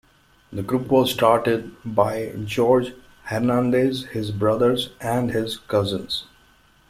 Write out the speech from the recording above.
The group was started by Jorge Hernandez, his brothers, and his cousins.